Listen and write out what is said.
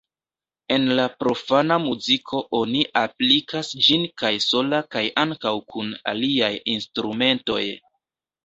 En la profana muziko oni aplikas ĝin kaj sola kaj ankaŭ kun aliaj instrumentoj.